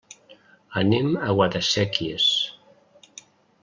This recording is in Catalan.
Anem a Guadasséquies.